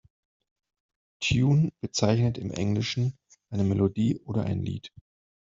Tune bezeichnet im Englischen eine Melodie oder ein Lied.